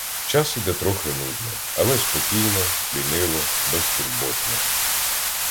Час іде трохи нудно, але спокійно, ліниво, безтурботно.